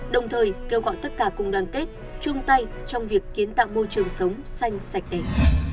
đồng thời kêu gọi tất cả cùng đoàn kết chung tay trong việc kiến tạo môi trường sống xanh sạch đẹp